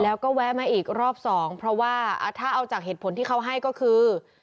แล้วก็แวะมาอีกรอบสองเพราะว่าถ้าเอาจากเหตุผลที่เขาให้ก็คือ